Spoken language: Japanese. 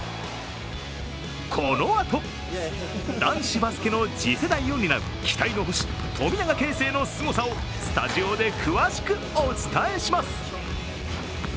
このあと、男子バスケの次世代を担う期待の星・富永啓生のすごさをスタジオで詳しくお伝えします。